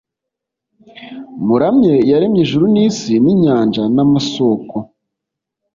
muramye Iyaremye ijuru nisi ninyanja namasoko